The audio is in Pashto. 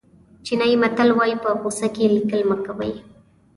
چینایي متل وایي په غوسه کې لیکل مه کوئ.